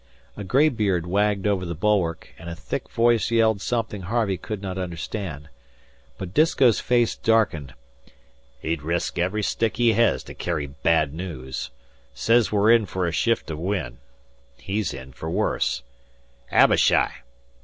A gray beard wagged over the bulwark, and a thick voice yelled something Harvey could not understand. But Disko's face darkened. "He'd resk every stick he hez to carry bad news. Says we're in fer a shift o' wind. He's in fer worse. Abishai!